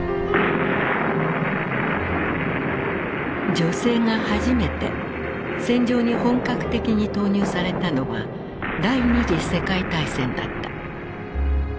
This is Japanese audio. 女性が初めて戦場に本格的に投入されたのは第二次世界大戦だった。